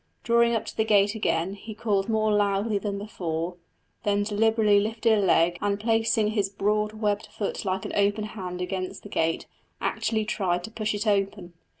Drawing up to the gate again he called more loudly than before; then deliberately lifted a leg, and placing his broad webbed foot like an open hand against the gate actually tried to push it open!